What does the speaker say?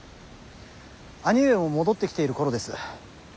兄上も戻ってきている頃です。